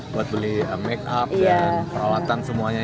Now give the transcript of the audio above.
buat beli makeup dan peralatan semuanya